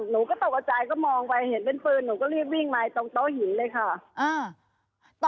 หนูก็ตกกระใจก็มองไปเห็นเป็นปืนหนูก็รีบวิ่งมาตรงโต๊ะหินเลยค่ะ